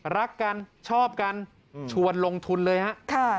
รักกันชอบกันชวนลงทุนเลยฮะ